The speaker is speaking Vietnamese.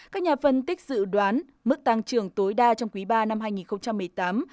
các nhà phân tích dự đoán mức tăng trưởng tối đa trong quý ba năm hai nghìn một mươi tám